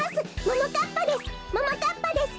ももかっぱです。